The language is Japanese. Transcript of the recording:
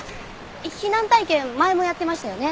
避難体験前もやってましたよね？